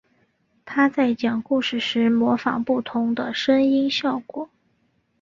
他在讲故事时模仿不同的声音效果。